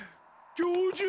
教授！